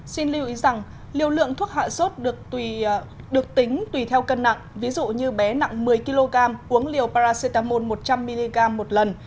xin lưu ý rằng liều lượng thuốc hạ sốt được tính tùy theo cân nặng ví dụ như bé nặng một mươi kg uống liều paracetamol một trăm linh mg một lần